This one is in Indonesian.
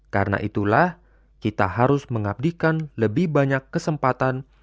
karena itulah kita harus mengabdikan lebih banyak kesempatan